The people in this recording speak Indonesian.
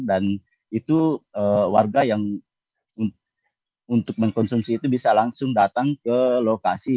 dan itu warga yang untuk mengkonsumsi itu bisa langsung datang ke lokasi